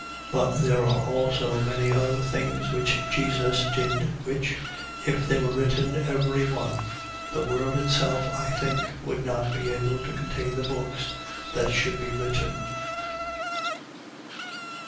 21:25. But there are also many other things which Jesus did which, if they were written every one, the world itself. I think, would not be able to contain the books that should be written.